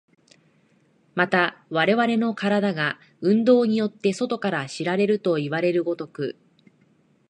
また我々の身体が運動によって外から知られるといわれる如く、